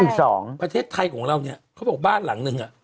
ประเทศไทยของเราเนี่ยเขาบอกบ้านหลังนึงอ่ะ